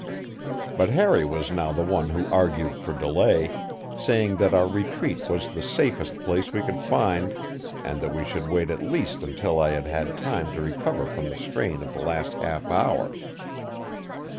But Harry was now the one who argued for delay, saying that our retreat was the safest place we could find, and that we should wait at least until I had had time to recover from the strain of the last half hour.